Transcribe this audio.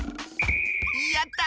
やった！